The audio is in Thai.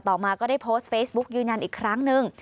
มาก็ได้โพสต์เฟซบุ๊กยืนยันอีกครั้งนึง